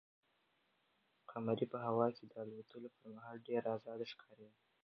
قمرۍ په هوا کې د الوتلو پر مهال ډېره ازاده ښکارېده.